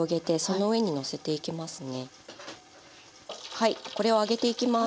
はいこれを揚げていきます。